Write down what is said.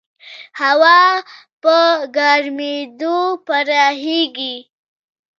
هوا په ګرمېدو پراخېږي.